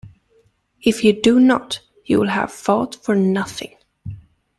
If you do not, you will have fought for nothing.